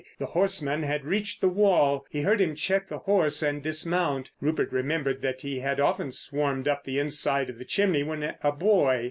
The horseman had reached the wall; he heard him check the horse and dismount. Rupert remembered that he had often swarmed up the inside of the chimney when a boy.